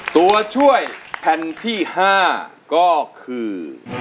ตัวช่วยแผ่นที่๕ก็คือ